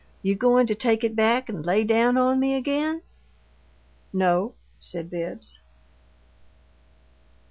"You goin' to take it back and lay down on me again?" "No," said Bibbs.